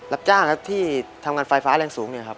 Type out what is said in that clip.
รับจ้างครับที่ทำงานไฟฟ้าแรงสูงเนี่ยครับ